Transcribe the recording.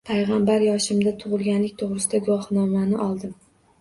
“Payg‘ambar yoshimda "Tug‘ilganlik to‘g‘risidagi guvohnoma"ni oldim”